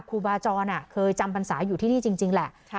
ครูบาจรเคยจำพรรษาอยู่ที่นี่จริงแหละ